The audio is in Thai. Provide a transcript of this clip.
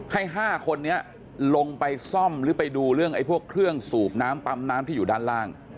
๕คนนี้ลงไปซ่อมหรือไปดูเรื่องไอ้พวกเครื่องสูบน้ำปั๊มน้ำที่อยู่ด้านล่าง